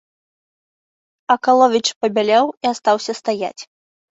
Акаловіч пабялеў і астаўся стаяць.